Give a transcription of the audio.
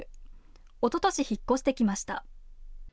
おととし、引っ越してきました。